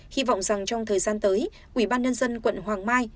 hy vọng rằng trong thời gian tới ủy ban nhân dân quận hoàng mai